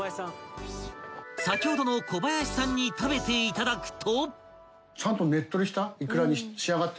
［先ほどの小林さんに食べていただくと］